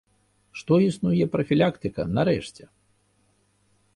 Што існуе прафілактыка, нарэшце!